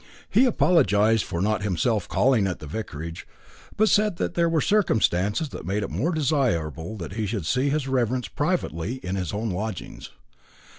He apologised for not himself calling at the vicarage, but said that there were circumstances that made it more desirable that he should see his reverence privately in his own lodgings.